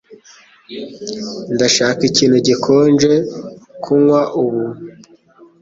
Ndashaka ikintu gikonje kunywa ubu.